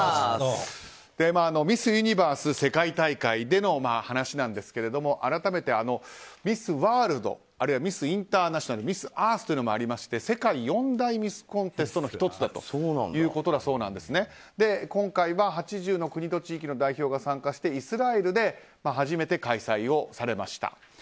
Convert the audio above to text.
ミス・ユニバース世界大会での話なんですが改めてミス・ワールド、あるいはミス・インターナショナルミス・アースというのもあり世界四大ミス・コンテストの１つだということで今回は、８０の国と地域の代表が参加してイスラエルで初めて開催されました。